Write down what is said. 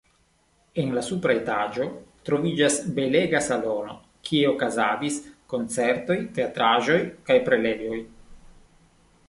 En la supra etaĝo troviĝas belega salono, kie okazadis koncertoj, teatraĵoj kaj prelegoj.